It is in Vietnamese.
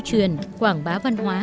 truyền quảng bá văn hóa